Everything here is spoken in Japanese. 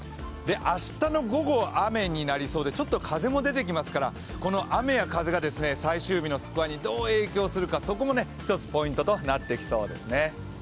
明日の午後、雨になりそうでちょっと風も出てきますから、この雨や風が最終日のスコアにどう影響するか、そこも一つポイントとなってきそうです。